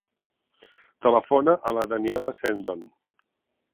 Telefona a la Daniella Cendon.